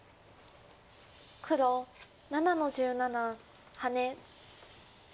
黒７の十七ハネ。